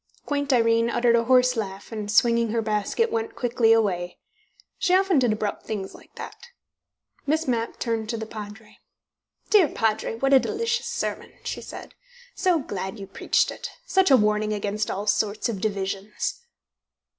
Quaint Irene uttered a hoarse laugh, and, swinging her basket, went quickly away. She often did abrupt things like that. Miss Mapp turned to the Padre. "Dear Padre, what a delicious sermon!" she said. "So glad you preached it! Such a warning against all sorts of divisions!"